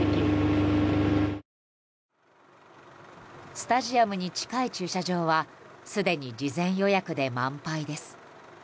スタジアムに近い駐車場はすでに事前予約で満杯です。